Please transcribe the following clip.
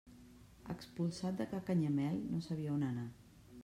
Expulsat de ca Canyamel, no sabia on anar.